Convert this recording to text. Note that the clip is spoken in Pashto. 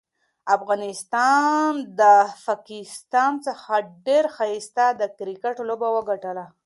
افغانستان ده پاکستان څخه ډيره ښايسته د کرکټ لوبه وګټله.